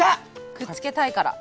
くっつけたいから。